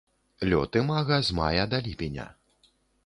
Лёт імага з мая да ліпеня.